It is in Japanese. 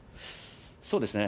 そうですね。